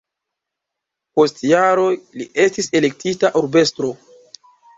Post jaroj li estis elektita urbestro.